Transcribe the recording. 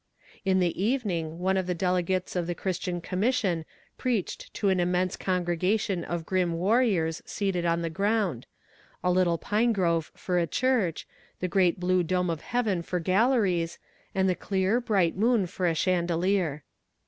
In the evening one of the delegates of the Christian Commission preached to an immense congregation of grim warriors seated on the ground a little pine grove for a church, the great blue dome of heaven for galleries, and the clear, bright moon for a chandelier.